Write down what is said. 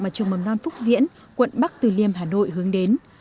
mà trường mầm non phúc diễn quận bắc từ liêm hà nội hướng đến